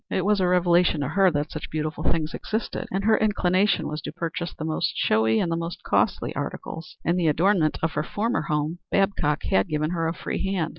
It was a revelation to her that such beautiful things existed, and her inclination was to purchase the most showy and the most costly articles. In the adornment of her former home Babcock had given her a free hand.